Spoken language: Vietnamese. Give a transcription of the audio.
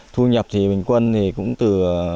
thu nhập thì bình quân thì cũng từ